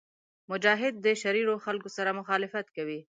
مجاهد د شریرو خلکو سره مخالفت کوي.